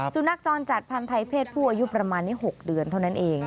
สุนัขจรจัดพันธ์ไทยเพศผู้อายุประมาณนี้๖เดือนเท่านั้นเอง